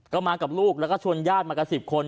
ก็มากับลูกแล้วก็ชวนญาติมากับ๑๐คน